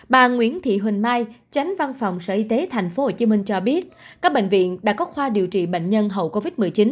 bà nguyễn thị huỳnh mai chánh văn phòng sở y tế tp hcm cho biết các bệnh viện đã có khoa điều trị bệnh nhân hậu covid một mươi chín